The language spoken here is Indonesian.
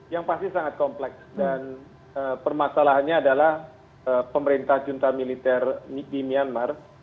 yang pasti sangat kompleks dan permasalahannya adalah pemerintah junta militer di myanmar